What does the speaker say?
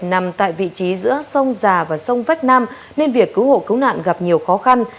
nằm tại vị trí giữa sông già và sông vách nam nên việc cứu hộ cứu nạn gặp nhiều khó khăn